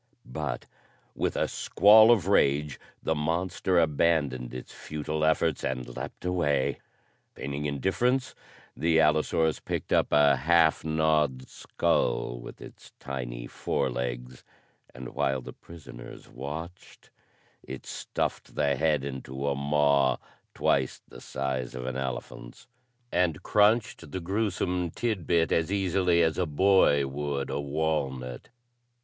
But, with a squall of rage, the monster abandoned its futile efforts and leaped away. Feigning indifference, the allosaurus picked up a half gnawed skull with its tiny forelegs; and, while the prisoners watched, it stuffed the head into a maw twice the size of an elephant's and crunched the gruesome tidbit as easily as a boy would a walnut.